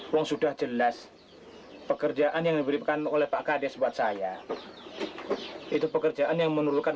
yang sudah jelas pekerjaan yang diberikan oleh pak kades buat saya itu pekerjaan yang menurutkan